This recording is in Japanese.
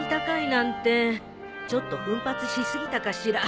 ちょっと奮発し過ぎたかしら。